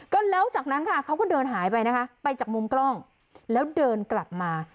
ก็แล้วจากนั้นค่ะเขาก็เดินหายไปนะคะไปจากมุมกล้องแล้วเดินกลับมา